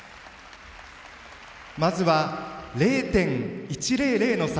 まずは０．１００の差